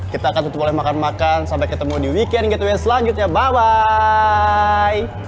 kita akan tutup oleh makan makan sampai ketemu di weekend gateway selanjutnya bye bye